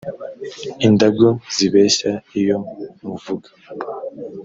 indagu zibeshya iyo muvuga